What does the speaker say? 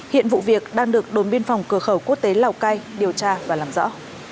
hiện vụ việc đang được đồn biên phòng cửa khẩu quốc tế lào cai điều tra và làm rõ